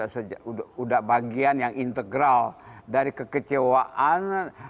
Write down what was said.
sudah bagian yang integral dari kekecewaan